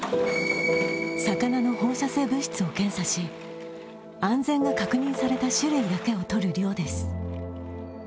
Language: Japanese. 魚の放射性物質を検査し安全が確認された種類だけを取る漁です。